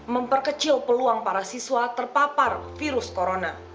memperkecil peluang para siswa terpapar virus corona